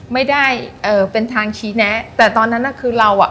ไม่ได้เอ่อเป็นทางชี้แนะแต่ตอนนั้นน่ะคือเราอ่ะ